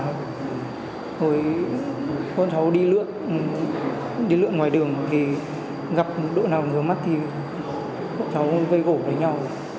thôi con cháu đi lượn đi lượn ngoài đường thì gặp đội nào ngứa mắt thì con cháu vây gỗ đánh nhau